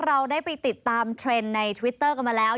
เราได้ไปติดตามเทรนด์ในทวิตเตอร์กันมาแล้ว